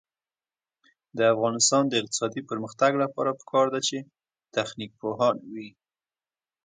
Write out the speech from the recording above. د افغانستان د اقتصادي پرمختګ لپاره پکار ده چې تخنیک پوهان وي.